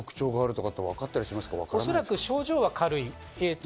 おそらく症状は軽い。